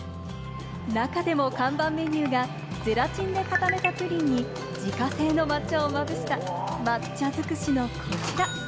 中でも看板メニューがゼラチンで固めたプリンに、自家製の抹茶をまぶした抹茶づくしの、こちら。